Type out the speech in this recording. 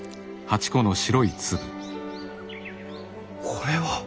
これは。